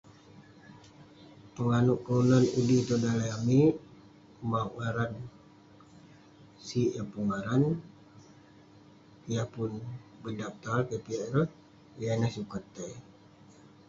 Penganouk kelunan undi tong daleh amik, mauk ngaran, sik yah pun ngaran, yah pun mendaftar keh piak ireh, yah ineh sukat tai..